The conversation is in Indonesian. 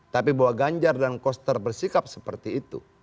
tapi bahwa ganjar dan koster bersikap seperti itu